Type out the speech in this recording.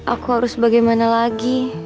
aku harus bagaimana lagi